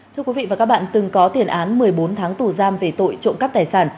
thưa quý vị và các bạn từng có tiền án một mươi bốn tháng tù giam về tội trộm cắp tài sản